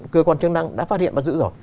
cơ quan chương năng đã phát hiện và giữ rồi